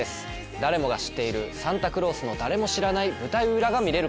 誰もが知っているサンタクロースの誰も知らない舞台裏が見れるかも。